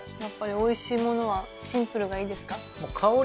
やっぱりおいしいものはシンプルがいいですか？